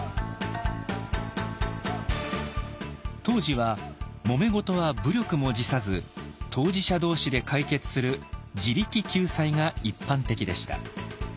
当時はもめ事は武力も辞さず当事者同士で解決する「自力救済」が一般的でした。